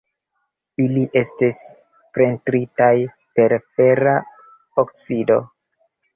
Ili estis pentritaj per fera oksido.